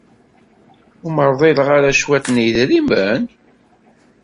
Ur am-rḍileɣ ara cwiṭ n yidrimen?